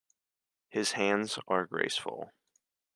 His hands are graceful.